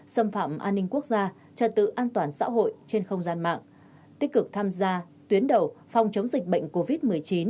xâm phạm an ninh quốc gia trật tự an toàn xã hội trên không gian mạng tích cực tham gia tuyến đầu phòng chống dịch bệnh covid một mươi chín